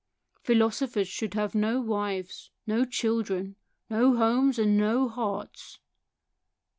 Philosophers should have no wives, no children, no homes, and no hearts."